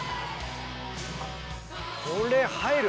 これ入る？